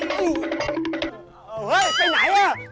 เฮ้ยไปไหนวะ